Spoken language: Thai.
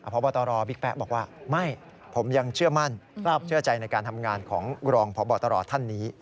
พบตรบิ๊กแป๊ะบอกว่าไม่ผมยังเชื่อมั่นเชื่อใจในการทำงานของรองพบตรท่านนี้